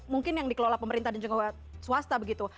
mungkin yang dikelola pemerintah dan juga swasta begitu